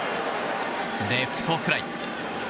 レフトフライ。